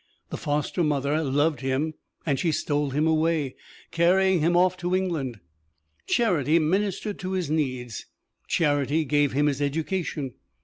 The foster mother loved him and she stole him away, carrying him off to England. Charity ministered to his needs; charity gave him his education.